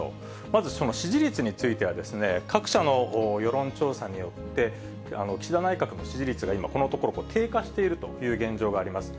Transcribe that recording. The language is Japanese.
まず、支持率についてはですね、各社の世論調査によって、岸田内閣の支持率が今、このところ、低下しているという現状があります。